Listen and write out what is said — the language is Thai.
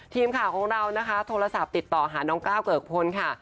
ทีมข่าวของเรานะคะโทรศัพท์ติดต่อหาน้องก้าวเกิกพลค่ะ